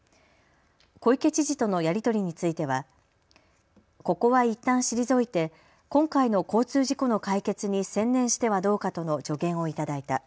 小池知事とのやり取りについてはここはいったん退いて今回の交通事故の解決に専念してはどうかとの助言をいただいた。